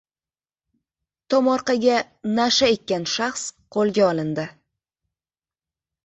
Tomorqaga "Nasha" ekkan shaxs qo‘lga olindi